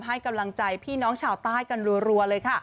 ให้กำลังใจพี่น้องชาวใต้กันรัวเลยค่ะ